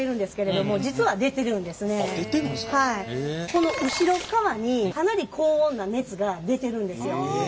この後ろっかわにかなり高温な熱が出てるんですよ。